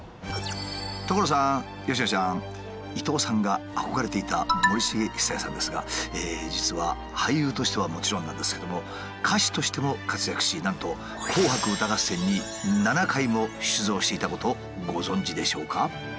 所さん佳乃ちゃん伊東さんが憧れていた森繁久彌さんですが実は俳優としてはもちろんなんですけども歌手としても活躍しなんとしていたことご存じでしょうか？